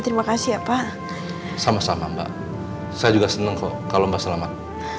terima kasih ya pak sama sama mbak saya juga senang kok kalau mbak selamat